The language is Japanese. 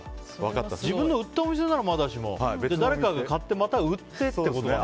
自分で売ったお店ならまだしも、誰かが買ってまた売ってってことだ。